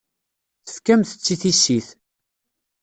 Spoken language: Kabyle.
Tefkamt-tt i tissit.